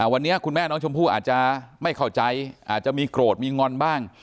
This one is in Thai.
วันนี้คุณแม่น้องชมพู่อาจจะไม่เข้าใจอาจจะมีโกรธมีงอนบ้าง